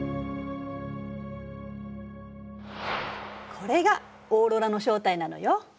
これがオーロラの正体なのよ。